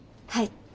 はい。